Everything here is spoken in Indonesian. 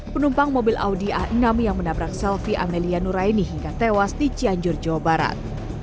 penumpang mobil audi a enam yang menabrak selvi amelia nuraini hingga tewas di cianjur jawa barat